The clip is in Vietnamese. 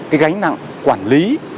cái gánh nặng quản lý